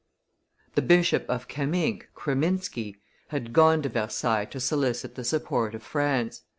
The Bishop of Kaminck, Kraminski, had gone to Versailles to solicit the support of France.